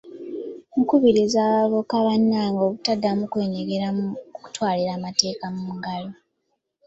Nkubiriza bavubuka bannange obutaddamu kwenyigira mu kutwalira amateeka mu ngalo.